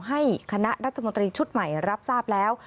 ให้คณะรัฐมนตรีชุดใหม่รับทราบแล้ว